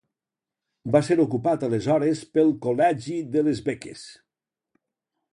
Va ser ocupat aleshores pel Col·legi de les Beques.